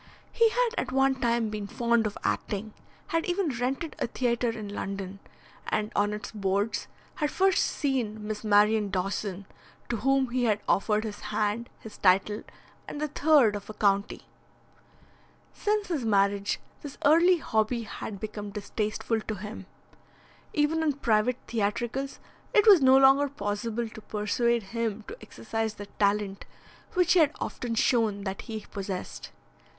He had at one time been fond of acting, had even rented a theatre in London, and on its boards had first seen Miss Marion Dawson, to whom he had offered his hand, his title, and the third of a county. Since his marriage this early hobby had become distasteful to him. Even in private theatricals it was no longer possible to persuade him to exercise the talent which he had often shown that he possessed.